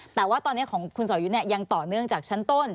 แต่ว่าตอนนี้ของคุณสอยุทธ์ยังต่อเนื่องจากชั้นต้น